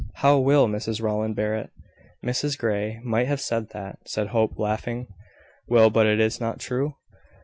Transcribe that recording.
How will Mrs Rowland bear it?" "Mrs Grey might have said that," said Hope, laughing. "Well, but is it not true?